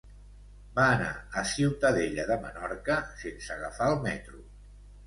Va anar a Ciutadella de Menorca sense agafar el metro.